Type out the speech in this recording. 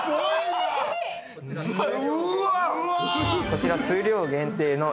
こちら数量限定の。